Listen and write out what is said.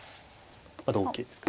同桂ですか。